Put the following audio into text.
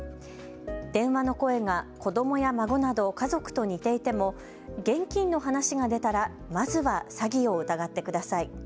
電話の声が子どもや孫など家族と似ていても現金の話が出たらまずは詐欺を疑ってください。